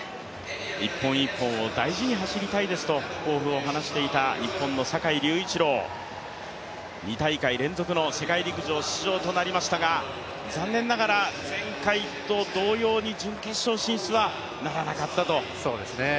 １本１本を大事に走りたいですと抱負を話していた坂井隆一郎２大会連続の世界陸上出場となりましたが、残念ながら前回と同様に準決勝進出はならなかったと。